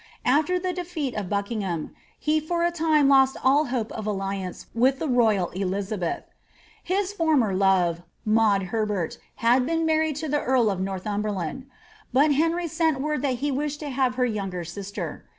After the defeat of Buckingham, he for a time lost all hope of alliance with the royal Elizabeth. His former love, Maud Herbert, had been married to the eari of Northumberland, but Henry sent word that he wished to liave her yonnger sister.